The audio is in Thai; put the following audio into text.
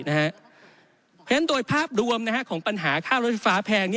เพราะฉะนั้นโดยภาพรวมของปัญหาค่ารถไฟฟ้าแพง